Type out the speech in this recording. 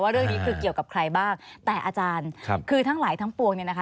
เรื่องนี้คือเกี่ยวกับใครบ้างแต่อาจารย์ครับคือทั้งหลายทั้งปวงเนี่ยนะคะ